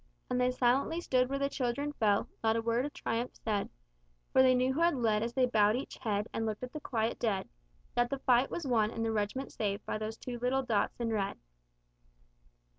And they silently stood where the children fell, Not a word of triumph said, For they knew who had led as they bowed each head, And looked at the quiet dead; That the fight was won, and the reg'ment saved, By those two little dots in red."